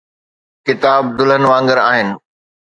ڪتاب دلہن وانگر آهن.